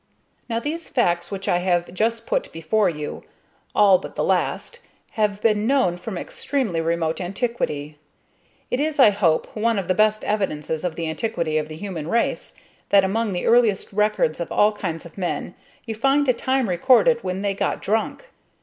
Now these facts which I have just put before you all but the last have been known from extremely remote antiquity. It is, I hope one of the best evidences of the antiquity of the human race, that among the earliest records of all kinds of men, you find a time recorded when they got drunk.